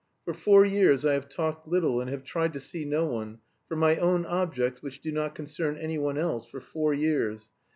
For four years I have talked little and have tried to see no one, for my own objects which do not concern anyone else, for four years.